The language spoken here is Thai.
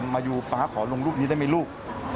มายูป๊าขอลงรูปนี้ได้ไหมลูก